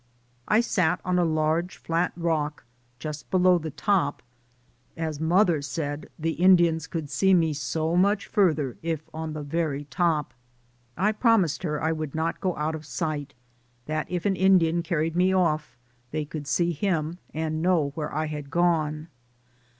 I sat on a large flat rock, just below the top, as mother said, *The Indians could see me so much farther if on the very top." I promised her I would not go out of sight ; that if an Indian carried me off they could see him and know where I had gone.